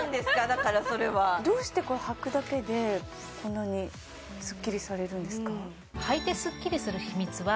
だからそれはどうしてはくだけでこんなにスッキリされるんですか？